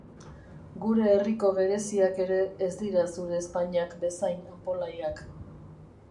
Gure herriko gereziak ere ez dira zure ezpainak bezain anpolaiak.